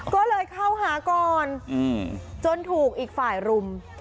ก็เลยเข้าหาก่อนจนถูกอีกฝ่ายรุม